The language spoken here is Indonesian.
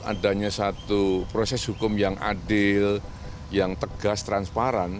adanya satu proses hukum yang adil yang tegas transparan